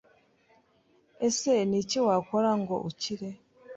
Ese ni iki wakora ngo ukire